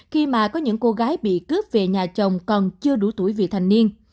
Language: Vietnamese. khi mà có những cô gái bị cướp về nhà chồng còn chưa đủ tuổi vị thành niên